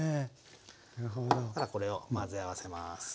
そしたらこれを混ぜ合わせます。